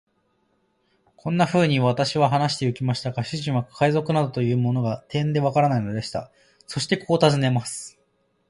こんなふうに私は話してゆきましたが、主人は海賊などというものが、てんでわからないのでした。そしてこう尋ねます。